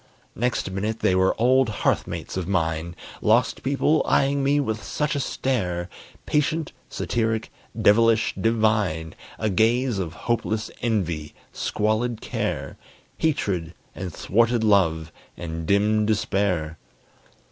Next minute they were old hearth mates of mine! Lost people, eyeing me with such a stare! Patient, satiric, devilish, divine; A gaze of hopeless envy, squalid care, Hatred, and thwarted love, and dim despair.